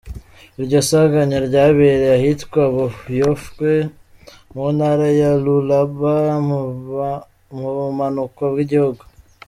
Iryo sanganya ryabereye ahitwa Buyofwe mu ntara ya Lualaba, mu bumanuko bw'igihugu.